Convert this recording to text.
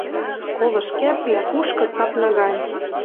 Колыш кӓпвлӓ кушкыт капна гань.